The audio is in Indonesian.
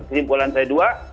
kesimpulan saya dua